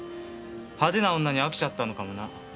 派手な女に飽きちゃったのかもな。